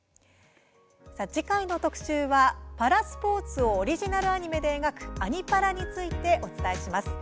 次回の特集はパラスポーツをオリジナルアニメで描く「アニ×パラ」についてお伝えします。